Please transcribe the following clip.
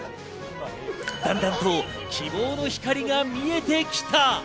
だんだんと希望の光が見えてきた。